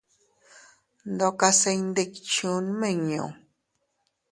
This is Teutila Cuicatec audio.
Ndokase iyndikchuu nmiñu.